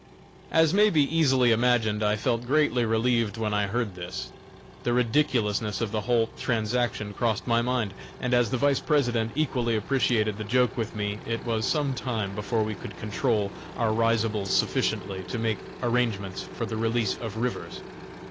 As may be easily imagined, I felt greatly relieved when I heard this. The ridiculousness of the whole transaction crossed my mind, and as the Vice President equally appreciated the joke with me, it was some time before we could control our risibles sufficiently to make arrangements for the release of Rivers.